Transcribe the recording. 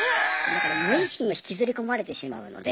無意識に引きずり込まれてしまうので。